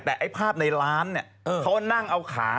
แต่ไอ้ภาพในร้านเนี่ยเขานั่งเอาขา